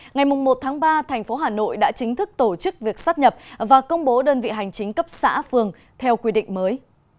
ngày một ba thành phố hà nội đã chính thức tổ chức việc sắp nhập và công bố đơn vị hành chính cấp xã phường theo quy định mới